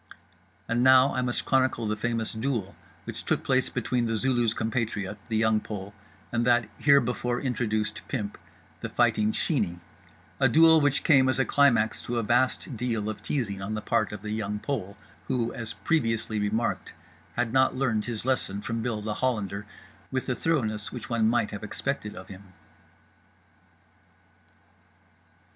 And now I must chronicle the famous duel which took place between The Zulu's compatriot, The Young Pole, and that herebefore introduced pimp, The Fighting Sheeney; a duel which came as a climax to a vast deal of teasing on the part of The Young Pole—who, as previously remarked, had not learned his lesson from Bill The Hollander with the thoroughness which one might have expected of him.